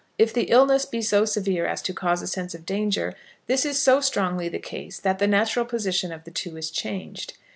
If the illness be so severe as to cause a sense of danger, this is so strongly the case that the natural position of the two is changed.